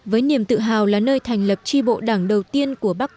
với niềm tự hào là nơi thành lập chi bộ đảng đầu tiên của bản duồn a